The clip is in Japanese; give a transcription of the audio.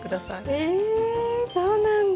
えそうなんだ。